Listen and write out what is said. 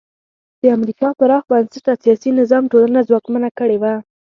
د امریکا پراخ بنسټه سیاسي نظام ټولنه ځواکمنه کړې وه.